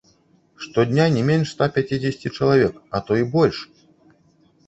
Штодня не менш ста пяцідзесяці чалавек, а то й больш!